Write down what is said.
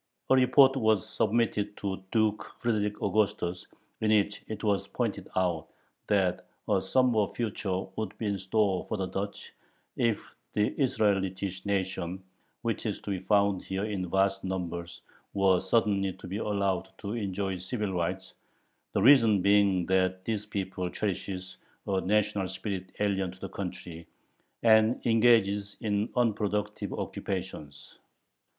A report was submitted to Duke Frederick Augustus, in which it was pointed out that "a somber future would be in store for the Duchy if the Israelitish nation, which is to be found here in vast numbers, were suddenly to be allowed to enjoy civil rights," the reason being that this people "cherishes a national spirit alien to the country," and engages in unproductive occupations.